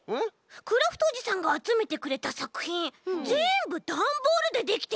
クラフトおじさんがあつめてくれたさくひんぜんぶダンボールでできてる。